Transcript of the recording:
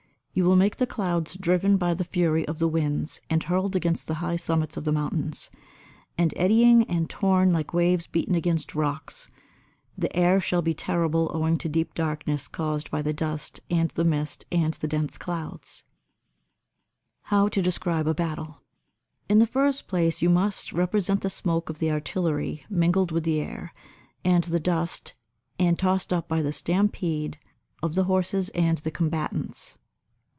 You will make the clouds driven by the fury of the winds and hurled against the high summits of the mountains, and eddying and torn like waves beaten against rocks; the air shall be terrible owing to deep darkness caused by the dust and the mist and the dense clouds. [Sidenote: How to describe a Battle] 85. In the first place you must represent the smoke of the artillery mingled with the air, and the dust, and tossed up by the stampede of the horses and the combatants.